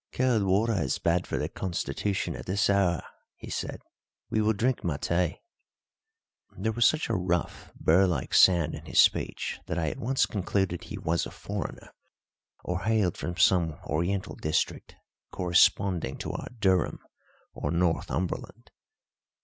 "Cold water is bad for the constitution at this hour," he said. "We will drink maté." There was such a rough, burr like sound in his speech that I at once concluded he was a foreigner, or hailed from some Oriental district corresponding to our Durham or Northumberland.